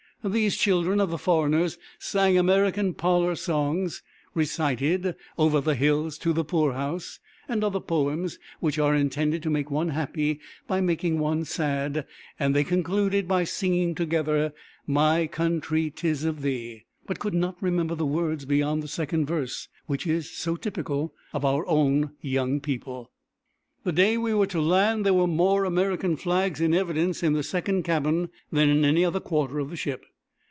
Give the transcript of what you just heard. These children of the foreigners sang American parlour songs, recited "Over the hills to the poorhouse," and other poems which are intended to make one happy by making one sad, and they concluded by singing together "My Country 'tis of Thee," but could not remember the words beyond the second verse, which is so typical of our own young people. The day we were to land there were more American flags in evidence in the second cabin than in any other quarter of the ship.